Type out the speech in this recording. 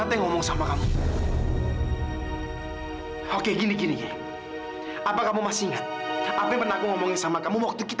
dan kamu tolong percaya dengan aku